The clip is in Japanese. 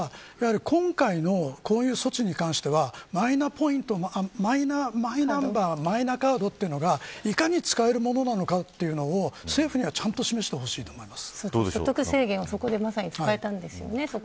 だから今回の措置に関してはマイナンバー、マイナカードがいかに使えるものなのかというのを政府にはちゃんと示してほしいです。